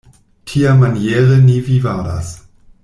Tiamaniere ni vivadas.